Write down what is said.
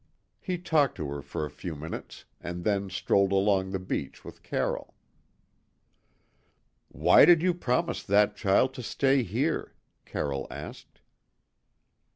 He talked to her for a few minutes, and then strolled along the beach with Carroll. "Why did you promise that child to stay here?" Carroll asked.